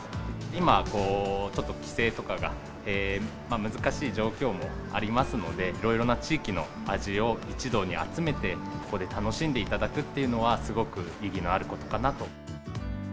今こう、ちょっと帰省とかが難しい状況もありますので、いろいろな地域の味を一堂に集めて、ここで楽しんでいただくというのは、すごく意義のあることかなと。